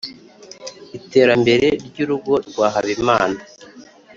iterambere ry’urugo rwa Habimana.